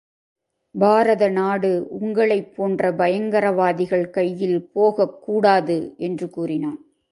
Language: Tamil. பாரத நாடு உங்களைப் போன்ற பயங்கரவாதிகள் கையில் போகக் கூடாது என்று கூறினான்.